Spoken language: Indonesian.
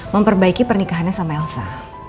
memperbaiki pernikahannya sama elsa